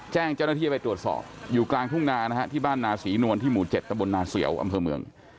แจ้งเจ้าหน้าที่ไปตรวจสอบอยู่กลางทุ่งนานะฮะที่บ้านนาศรีนวลที่หมู่๗ตะบลนาเสียวอำเภอเมือง